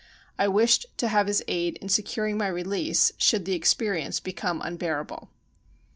I wished to have his aid in securing my release, should the ex perience become unbearable.